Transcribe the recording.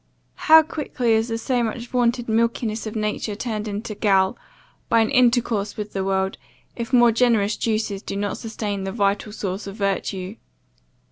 How quickly is the so much vaunted milkiness of nature turned into gall, by an intercourse with the world, if more generous juices do not sustain the vital source of virtue!